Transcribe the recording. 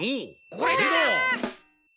これだ！